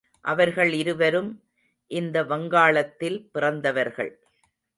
அவர்கள் இருவரும் இந்த வங்காளத்தில் பிறந்தவர்கள்.